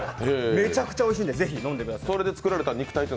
めちゃくちゃおいしいので、ぜひ飲んでください。